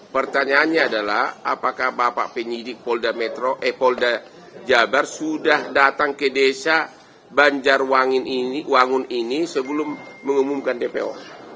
pertanyaannya adalah apakah bapak penyidik polda jabar sudah datang ke desa banjarwangun ini sebelum mengumumkan dpo